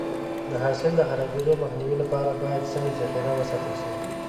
د حاصل د خرابېدو مخنیوي لپاره باید سمې ذخیره وساتل شي.